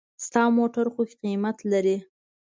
ستا موټر خو قېمت لري.